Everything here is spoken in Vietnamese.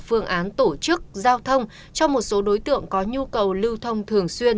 phương án tổ chức giao thông cho một số đối tượng có nhu cầu lưu thông thường xuyên